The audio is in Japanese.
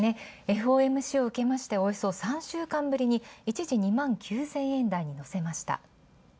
ＦＯＭＣをうけましておよそ３週間ぶりに一時２万９０００円台にのせました。